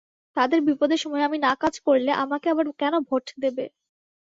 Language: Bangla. তাদের বিপদের সময় আমি না কাজ করলে আমাকে আবার কেন ভোট দেবে?